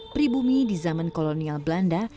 pribumi di zaman kolonial belanda